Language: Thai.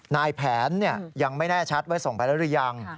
นายแผนยังไม่แน่ชัดว่าส่งไปแล้วหรือยัง